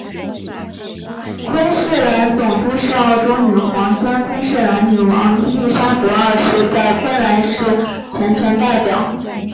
昆士兰总督是澳洲女皇兼昆士兰女王伊利沙伯二世在昆士兰州的全权代表。